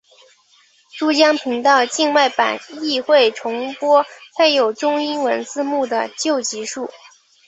珠江频道境外版亦会重播配有中英文字幕的旧集数。